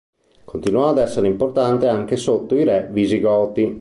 Continuò ad essere importante anche sotto i re visigoti.